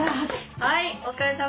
はいお疲れさま！